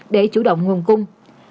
để chủ động nguồn cung